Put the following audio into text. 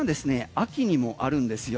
秋にもあるんですよ。